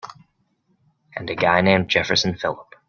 And a guy named Jefferson Phillip.